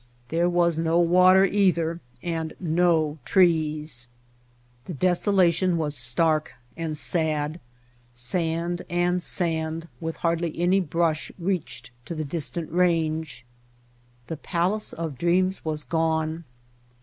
There was no water either, and no trees. The White Heart The desolation was stark and sad; sand and sand with hardly any brush reached to the dis tant range. The palace of dreams was gone.